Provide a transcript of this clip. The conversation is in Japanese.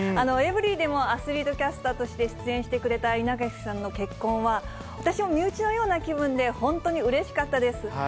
エブリィでもアスリートキャスターとして出演してくれた稲垣さんの結婚は、私も身内のような気分で、本当にうれしかったです。